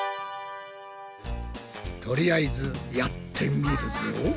とりあえずやってみるぞ。